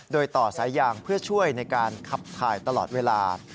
โดยต่อสายยางเพื่อช่วยในการขับถ่ายตลอดเวลา